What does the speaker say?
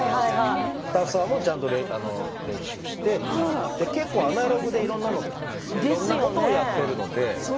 スタッフさんもちゃんと練習して結構アナログでいろんなものをやっているので。